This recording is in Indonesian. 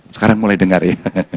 sekarang mulai dengar ya